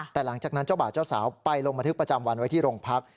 แต่หลังจากนั้นเจ้าบ่าวเจ้าสาวไปลงบันทึกประจำวันไว้ที่โรงพัก